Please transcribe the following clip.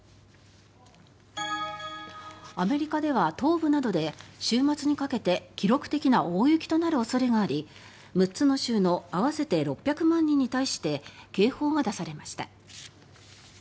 アメリカでは東部などで週末にかけて記録的な大雪となる恐れがあり６つの州の合わせて６００万人に対して警報が出されました。